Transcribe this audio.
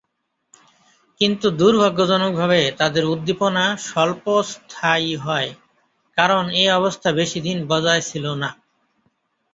কিন্তু দুর্ভাগ্যজনকভাবে তাদের উদ্দীপনা স্বল্পস্থায়ী হয়, কারণ এ অবস্থা বেশিদিন বজায় ছিল না।